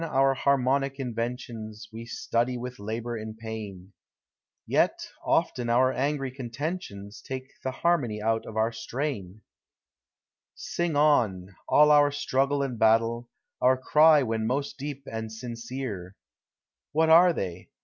— our harmonic inventions We study with labor and pain; Yet often our angry contentions Take the harmony out of our strain. Digitized by Google FOR CHILDREN. 117 SiDg on, — all our struggle and battle, Our cry when most deep and sincere, — What are they?